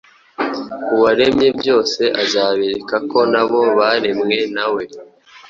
uwaremye byose azabereka ko nabo baremwe nawe